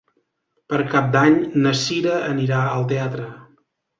Per Cap d'Any na Cira anirà al teatre.